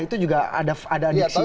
itu juga ada adiksi itu